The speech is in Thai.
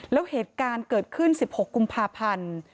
แล้วเหตุการณ์เกิดขึ้น๑๖กุมภาพันธ์